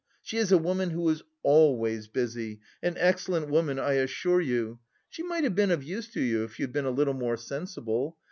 She is a woman who is always busy, an excellent woman I assure you.... She might have been of use to you if you had been a little more sensible.